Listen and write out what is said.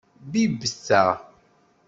Bibb ta.